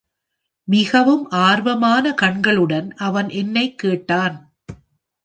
மிகவும் ஆர்வமான கண்களுடன் அவன் என்னை கேட்டான்.